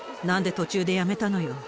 なんで途中でやめたのよ。